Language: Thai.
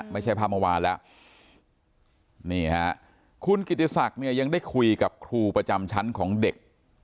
ไม่ใช่ภาพเมื่อวานแล้วคุณกิจสักยังได้คุยกับครูประจำชั้นของเด็ก